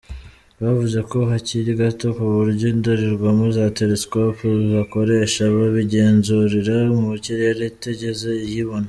Bavuze ko kari gato kuburyo indorerwamo za telescope bakoresha babigenzurira mu kirere itigeze iyibona.